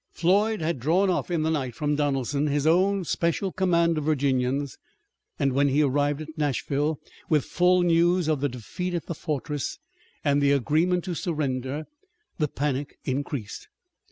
Floyd had drawn off in the night from Donelson his own special command of Virginians and when he arrived at Nashville with full news of the defeat at the fortress, and the agreement to surrender, the panic increased.